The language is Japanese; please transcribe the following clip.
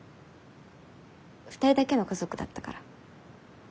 ２人だけの家族だったから。